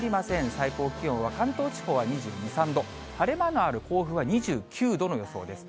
最高気温は関東地方は２２、３度、晴れ間がある甲府は２９度の予想です。